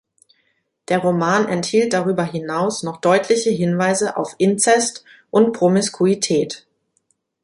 Der Roman enthielt darüber hinaus noch deutliche Hinweise auf Inzest und Promiskuität.